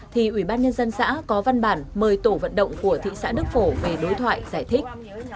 thì ủy ban nhân dân xã có văn bản mời tổ vận động của thị xã đức phổ về đối thoại giải thích